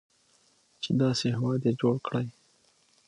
چې داسې هیواد یې جوړ کړی.